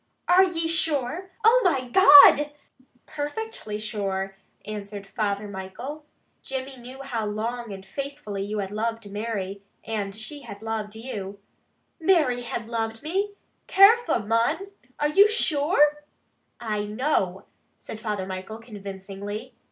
"Are ye sure? Oh, my God!" "Perfectly sure!" answered Father Michael. "Jimmy knew how long and faithfully you had loved Mary, and she had loved you " "Mary had loved me? Carefu', mon! Are ye sure?" "I know," said Father Michael convincingly.